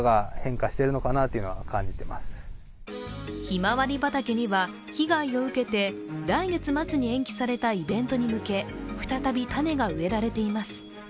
ひまわり畑には被害を受けて来月末に延期されたイベントに向け再び種が植えられています。